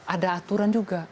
ada aturan juga